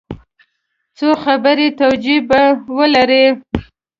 څو خبري توجیې به ولري.